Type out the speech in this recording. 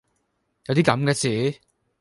有啲咁嘅樹?